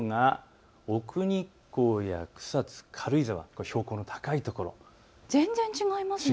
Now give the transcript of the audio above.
ところが奥日光や草津、軽井沢、標高の高いところ全然違います。